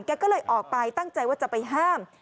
ก็เลยออกไปตั้งใจว่าจะไปห้าม